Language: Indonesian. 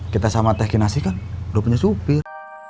kita sama tekinasi kan udah punya supir